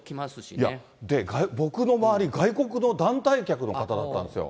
いや、で、僕の周り、外国の団体客の方だったんですよ。